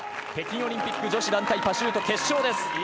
北京オリンピック女子団体パシュート決勝です。